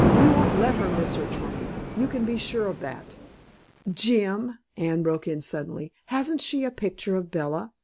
"We won't let her miss her train; you can be sure of that." "Jim," Anne broke in suddenly, "hasn't she a picture of Bella?